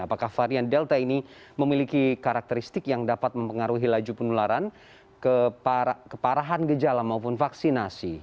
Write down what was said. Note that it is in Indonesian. apakah varian delta ini memiliki karakteristik yang dapat mempengaruhi laju penularan keparahan gejala maupun vaksinasi